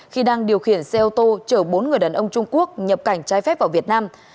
khi đang điều khiển xe ô tô chở bốn người đàn ông trung quốc nhập cảnh trái phép vào việt nam